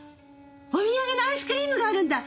お土産のアイスクリームがあるんだ！